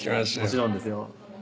もちろんですよ。